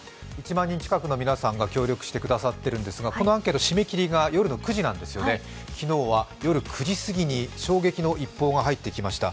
１万人近くの皆さんが協力してくださっているんですが、このアンケート締め切りが夜９時過ぎなんですよね、その夜９時過ぎに衝撃の一報が入ってきました。